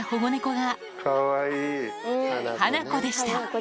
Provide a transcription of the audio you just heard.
ハナコでした。